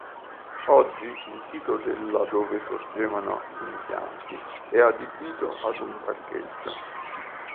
Oggi il sito della dove sorgevano gli impianti è adibito ad un parcheggio.